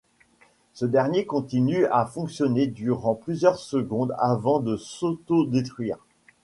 Ce dernier continue à fonctionner durant plusieurs secondes avant de s'auto-détruire.